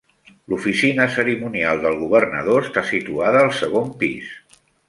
L'oficina cerimonial del governador està situada al segon pis.